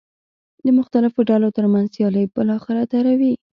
د مختلفو ډلو ترمنځ سیالۍ بالاخره دروي.